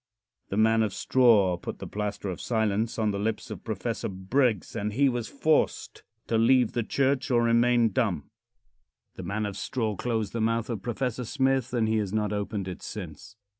The man of straw put the plaster of silence on the lips of Prof. Briggs, and he was forced to leave the church or remain dumb. The man of straw closed the mouth of Prof. Smith, and he has not opened it since.